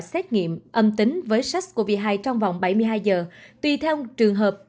xét nghiệm âm tính với sars cov hai trong vòng bảy mươi hai giờ tùy theo trường hợp